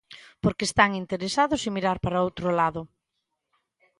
Porque están interesados en mirar para outro lado.